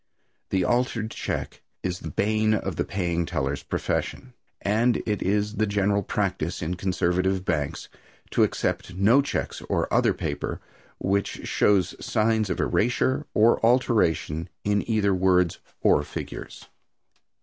The altered check is the bane of the paying teller's profession, and it is the general practice in conservative banks to accept no checks or other paper which shows signs of erasure or alteration in either words or figures.